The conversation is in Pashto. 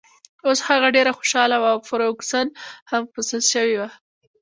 اوس هغه ډېره خوشحاله وه او فرګوسن هم په سد شوې وه.